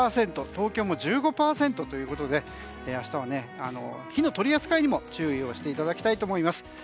東京も１５％ということで明日は火の取り扱いにも注意していただきたいと思います。